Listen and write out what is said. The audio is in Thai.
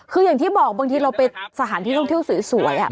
คืออย่างที่บอกบางทีเราไปสถานที่ท่องเที่ยวสวย